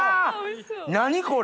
何これ？